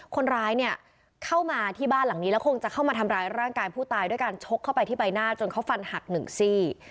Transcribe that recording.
คนร้ายเนี่ยเข้ามาที่บ้านหลังนี้แล้วคงจะเข้ามาทำร้ายร่างกายผู้ตายด้วยการชกเข้าไปที่ใบหน้าจนเขาฟันหักหนึ่งซี่